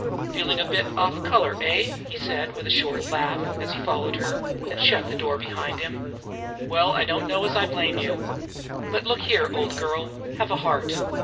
"Feeling a bit off color, eh?" he said with a short laugh, as he followed her, and shut the door behind him. "Well, I don't know as I blame you. But, look here, old girl, have a heart!